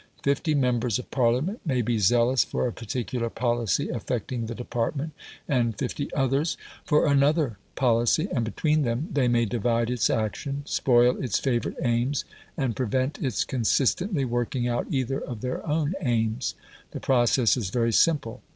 Fifty members of Parliament may be zealous for a particular policy affecting the department, and fifty others for another policy, and between them they may divide its action, spoil its favourite aims, and prevent its consistently working out either of their own aims. The process is very simple.